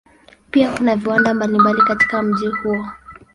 Pia kuna viwanda mbalimbali katika mji huo.